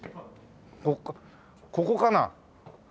ここかな？